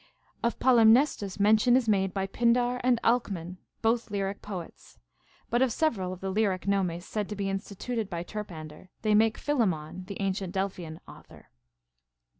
Of Polymnestus mention is made by Pindar and Alcman, both lyric poets ; but of several of the lyric nomes said to be instituted by Terpander they make Philammon (the an cient Delphian) author.